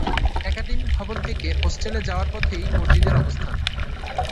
Academic ভবন থেকে হোস্টেলে যাওয়ার পথেই মসজিদের অবস্থান।